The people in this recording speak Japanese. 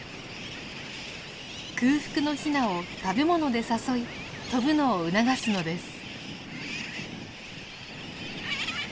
空腹のヒナを食べ物で誘い飛ぶのを促すのです。